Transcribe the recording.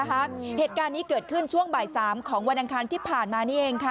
เหตุการณ์นี้เกิดขึ้นช่วงบ่าย๓ของวันอังคารที่ผ่านมานี่เองค่ะ